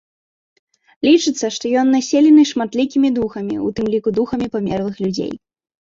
Лічыцца, што ён населены шматлікімі духамі, у тым ліку духамі памерлых людзей.